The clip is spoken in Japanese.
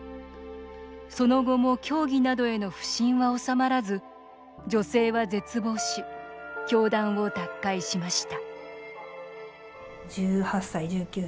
その後も教義などへの不信は収まらず女性は絶望し教団を脱会しました